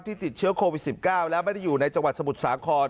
ติดเชื้อโควิด๑๙และไม่ได้อยู่ในจังหวัดสมุทรสาคร